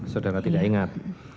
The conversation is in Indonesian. saudara tidak ingat